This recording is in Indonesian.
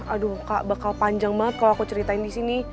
aduh kak bakal panjang banget kalo aku ceritain disini